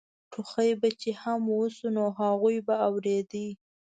ټوخی به چې هم وشو نو هغوی به اورېده.